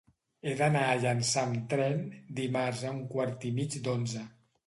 He d'anar a Llançà amb tren dimarts a un quart i mig d'onze.